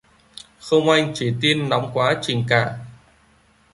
Không Anh chỉ tin nóng quá trình cả